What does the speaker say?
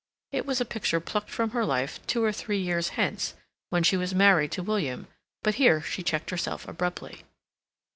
It was a picture plucked from her life two or three years hence, when she was married to William; but here she checked herself abruptly.